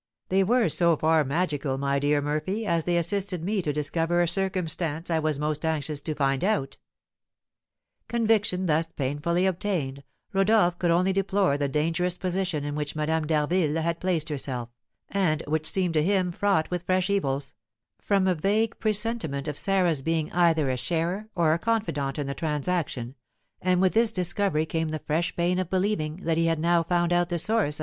"They were so far magical, my dear Murphy, as they assisted me to discover a circumstance I was most anxious to find out." Conviction thus painfully obtained, Rodolph could only deplore the dangerous position in which Madame d'Harville had placed herself, and which seemed to him fraught with fresh evils, from a vague presentiment of Sarah's being either a sharer or a confidant in the transaction, and with this discovery came the fresh pain of believing that he had now found out the source of M.